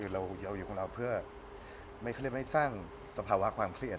เราจะอยู่ของเราเพื่อไม่สร้างสภาวะความเครียด